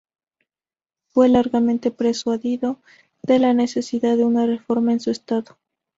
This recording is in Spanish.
Fue largamente persuadido de la necesidad de una reforma en su estado.